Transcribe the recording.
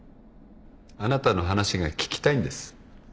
あなたの話が聞きたいんです。